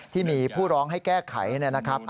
ที่มีผู้ร้องให้แก้ไขนะครับ